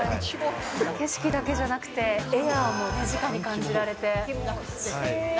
景色だけじゃなくてエアもじかに感じられて。